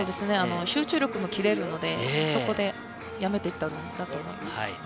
集中力も切れるので、そこでやめたんだと思います。